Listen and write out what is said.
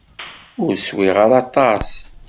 Ur swiɣ ara aṭas.